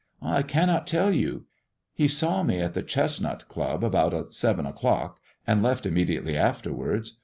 " I cannot tell you. He saw me at the Chestnut Club about seven o'clock, and left immediately afterwards.